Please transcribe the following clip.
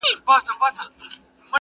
نن یې ریشا داسي راته وویل ,